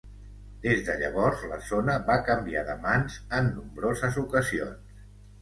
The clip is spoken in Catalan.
Des de llavors, la zona va canviar de mans en nombroses ocasions.